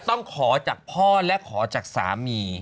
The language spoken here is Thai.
ต้องขอจากพ่อและขอจากสามี